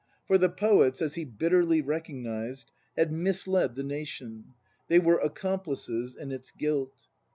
For the poets, as he bitterly recognised, had misled the nation: they were "accomplices" in its guilt.